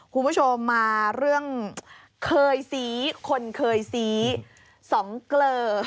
คุณผู้ชมมาเรื่องเคยซี้คนเคยซี้สองเกลอ